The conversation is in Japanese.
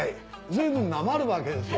随分なまるわけです。